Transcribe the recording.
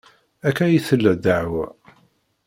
Akka ay tella ddeɛwa.